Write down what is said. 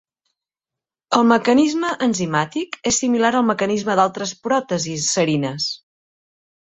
El mecanisme enzimàtic és similar al mecanisme d"altres pròtesis serines.